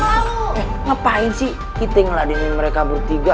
eh ngapain sih kita ngeladinin mereka bertiga